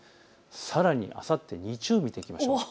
さらにあさって日曜日を見ていきましょう。